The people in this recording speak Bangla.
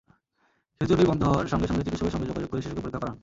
খিঁচুনি বন্ধ হওয়ার সঙ্গে সঙ্গে চিকিৎসকের সঙ্গে যোগাযোগ করে শিশুকে পরীক্ষা করান।